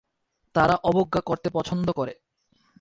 তারা অবজ্ঞা করতে পছন্দ করে।